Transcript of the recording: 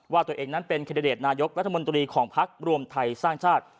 ว่าตัวเองนั้นเป็นแคนดิเดตนายกรัฐมนตรีของพักรวมไทยสร้างชาติ